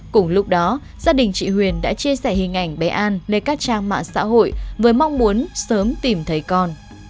cùng lúc đó gia đình chị huyền đã chia sẻ hình ảnh bé an lên các trang mạng xã hội với mong muốn sớm tìm thấy con